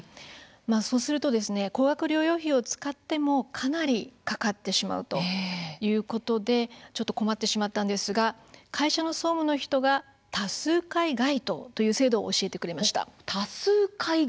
そうすると高額療養費を使ってもかなりかかってしまうということでちょっと困ってしまったんですが会社の総務の人が多数回該当という制度を教えてくれました。